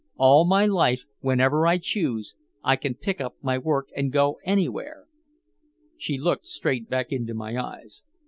All my life whenever I choose I can pick up my work and go anywhere." She looked straight back into my eyes.